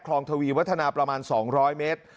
ทวีวัฒนาประมาณ๒๐๐เมตร